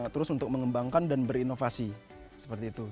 terus untuk mengembangkan dan berinovasi seperti itu